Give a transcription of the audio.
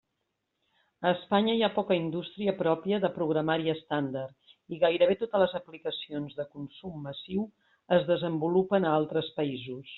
A Espanya hi ha poca indústria pròpia de programari estàndard, i gairebé totes les aplicacions de consum massiu es desenvolupen a altres països.